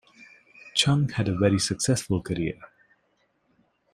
Chung had a very successful career.